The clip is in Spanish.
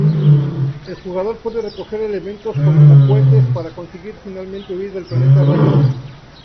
El jugador puede recoger elementos, como cohetes, para conseguir finalmente huir del planeta Rayón.